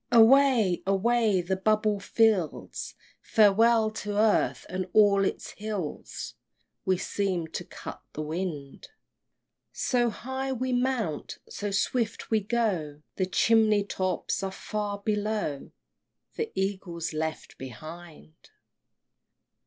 III. Away! away! the bubble fills Farewell to earth and all its hills! We seem to cut the wind! So high we mount, so swift we go, The chimney tops are far below, The Eagle's left behind!